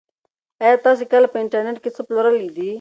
ایا تاسي کله په انټرنيټ کې څه پلورلي دي؟